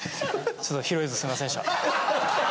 ちょっと拾えずすいませんでした。